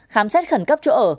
khám xét khẩn cấp chỗ ở